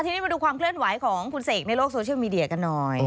ทีนี้มาดูความเคลื่อนไหวของคุณเสกในโลกโซเชียลมีเดียกันหน่อย